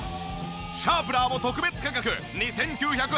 シャープナーも特別価格２９８０円。